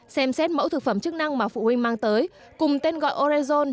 xem xét mẫu thực phẩm chức năng mà phụ huynh mang tới cùng tên gọi orezon